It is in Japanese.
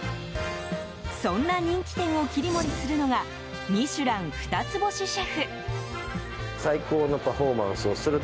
そんな人気店を切り盛りするのが「ミシュラン」二つ星シェフ。